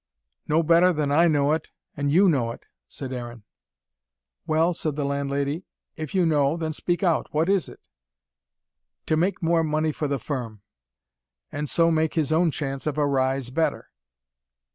"No better than I know it and you know it," said Aaron. "Well," said the landlady, "if you know, then speak out. What is it?" "To make more money for the firm and so make his own chance of a rise better."